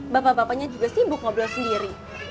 bapak bapaknya juga sibuk ngobrol sendiri